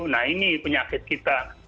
nah ini penyakit kita